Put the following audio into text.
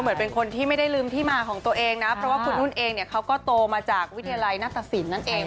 เหมือนเป็นคนที่ไม่ได้ลืมที่มาของตัวเองนะเพราะว่าคุณนุ่นเองเนี่ยเขาก็โตมาจากวิทยาลัยนัตตสินนั่นเอง